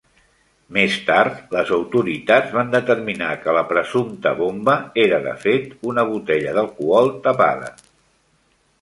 Més tard, les autoritats van determinar que la presumpta bomba era de fet una botella d'alcohol tapada.